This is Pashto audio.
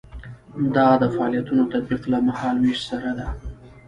دا د فعالیتونو تطبیق له مهال ویش سره ده.